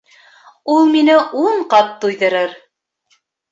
Ул һине ун ҡат туйҙырыр.